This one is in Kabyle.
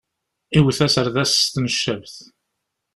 Iwet aserdas s tneccabt.